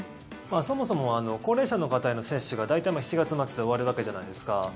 そもそも高齢者の方への接種が大体７月末で終わるわけじゃないですか。